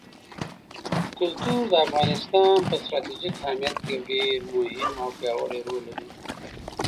کلتور د افغانستان په ستراتیژیک اهمیت کې یو ډېر مهم او پیاوړی رول لري.